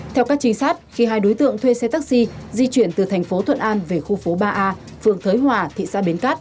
theo các trinh sát khi hai đối tượng thuê xe taxi di chuyển từ thành phố thuận an về khu phố ba a phường thới hòa thị xã bến cát